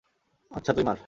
আচ্ছা, তুই মার।